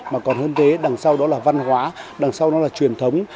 mà còn hơn thế đằng sau đó là văn hóa đằng sau nó là truyền thống